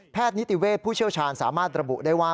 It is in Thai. นิติเวศผู้เชี่ยวชาญสามารถระบุได้ว่า